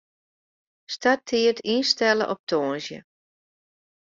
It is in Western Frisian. Starttiid ynstelle op tongersdei.